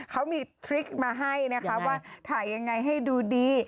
เขามีทริคมาให้นะคะว่าถ่ายยังไงให้ดูดี